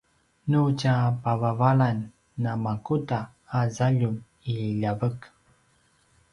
nu tja pavavalan namakuda a zaljum i ljavek?